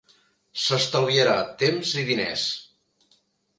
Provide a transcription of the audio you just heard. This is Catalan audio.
S'estalviarà temps i diners.